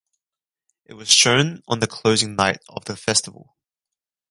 It was shown on the closing night of the festival.